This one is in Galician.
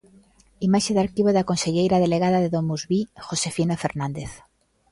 Imaxe de arquivo da conselleira delegada de DomusVi, Josefina Fernández.